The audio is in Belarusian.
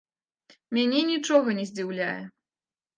Мяне нічога не здзіўляе.